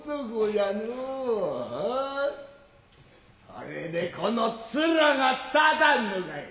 それでこの面が立たぬのかい。